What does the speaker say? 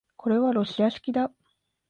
これはロシア式だ